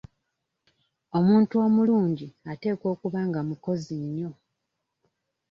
Omuntu omulungi ateekwa okuba nga mukozi nnyo.